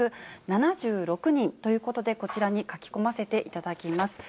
１８７６人ということで、こちらに書き込ませていただきます。